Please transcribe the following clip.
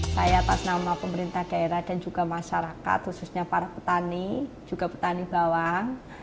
saya atas nama pemerintah daerah dan juga masyarakat khususnya para petani juga petani bawang